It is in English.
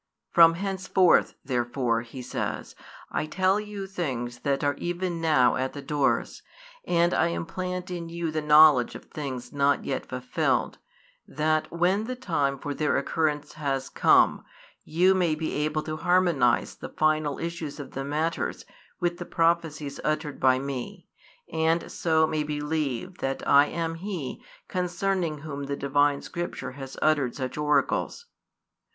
From henceforth therefore, He says, I tell you things that are even now at the doors, and I implant in you the knowledge of things not yet fulfilled; that, when the time for their occurrence has come, you may be able to harmonise the final issue of the matters with the prophecies uttered by Me, and so may believe that I am He concerning Whom the Divine Scripture has uttered such oracles.